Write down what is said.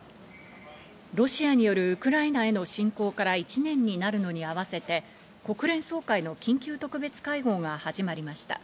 ロシアによるウクライナへの侵攻から１年になるのに合わせて、国連総会の緊急特別会合が始まりました。